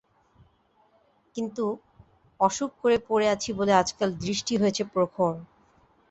কিন্তু, অসুখ করে পড়ে আছি বলে আজকাল দৃষ্টি হয়েছে প্রখর।